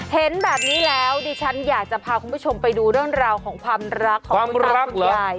เห็นแบบนี้แล้วดิฉันอยากจะพาคุณผู้ชมไปดูเรื่องราวของความรักของคุณตาคุณยาย